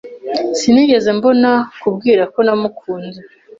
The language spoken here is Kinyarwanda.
Sinigeze mbona kubwira ko namukunze.